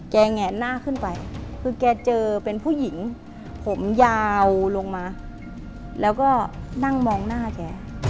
แงะหน้าขึ้นไปคือแกเจอเป็นผู้หญิงผมยาวลงมาแล้วก็นั่งมองหน้าแก